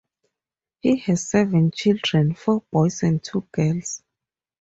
He has seven children four boys and two girls.